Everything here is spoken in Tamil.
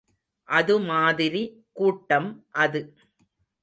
அது மாதிரி கூட்டம் அது.